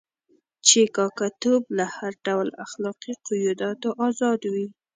چې کاکه توب له هر ډول اخلاقي قیوداتو آزادوي.